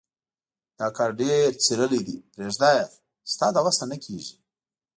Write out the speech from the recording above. دا کار ډېر څيرلی دی. پرېږده يې؛ ستا له وسه نه کېږي.